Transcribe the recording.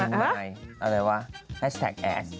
เอาอะไรวะแฮชแท็กแอส